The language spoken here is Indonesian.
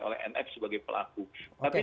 oleh nf sebagai pelaku tapi